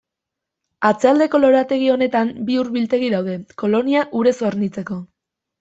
Atzealdeko lorategi honetan bi ur-biltegi daude, Kolonia urez hornitzeko.